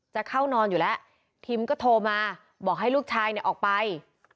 จะเข้านอนอยู่แล้วทิมก็โทรมาบอกให้ลูกชายเนี่ยออกไป